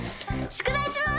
宿題します！